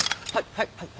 はいはい。